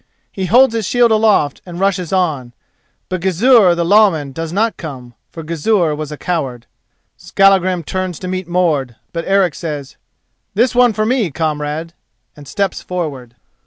He holds his shield aloft and rushes on. But Gizur the Lawman does not come, for Gizur was a coward. Skallagrim turns to meet Mord, but Eric says:— "This one for me, comrade," and steps forward.